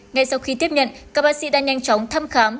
ngay sau khi tiếp nhận các bác sĩ đã nhanh chóng thăm khám